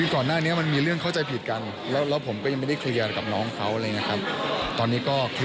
ก็ไม่ได้เปิดและไม่ได้ปิด